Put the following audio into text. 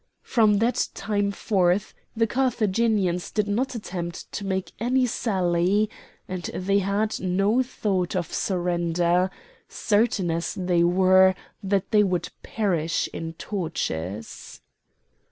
From that time forth the Carthaginians did not attempt to make any sally; and they had no thought of surrender, certain as they were that they would perish in tortures.